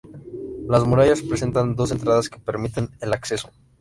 Las murallas presentan dos entradas que permiten el acceso.